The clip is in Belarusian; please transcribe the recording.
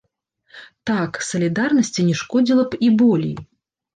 Так, салідарнасці не шкодзіла б і болей.